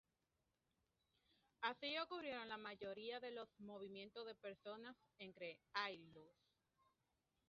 Así ocurrieron la mayoría de los movimientos de personas entre ayllus.